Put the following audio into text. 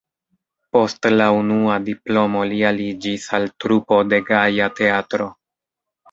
Post la unua diplomo li aliĝis al trupo de Gaja Teatro.